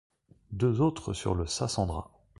Deux autres sur le Sassandra.